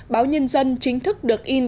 báo nhân dân chính thức được in